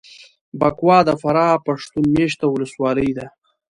بکوا دفراه پښتون مېشته ولسوالي ده